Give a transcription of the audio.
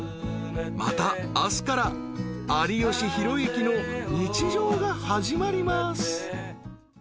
［また明日から有吉弘行の日常が始まります］